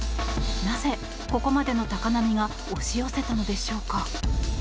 なぜ、ここまでの高波が押し寄せたのでしょうか。